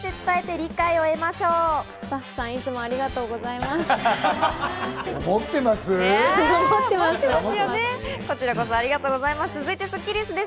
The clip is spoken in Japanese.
スタッフさん、いつもありがとうございます。